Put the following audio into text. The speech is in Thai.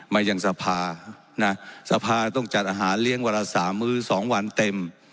มายังสภานะสภาต้องจัดอาหารเลี้ยงวันละ๓มื้อ๒วันเต็ม